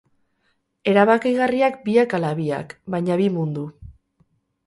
Erabakigarriak biak ala biak, baina bi mundu.